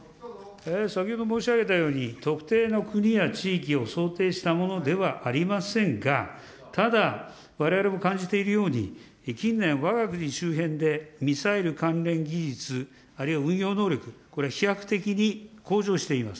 先ほど申し上げたように、特定の国や地域を想定したものではありませんが、ただ、われわれも感じているように、近年、わが国周辺でミサイル関連技術、あるいは運用能力、これは飛躍的に向上しています。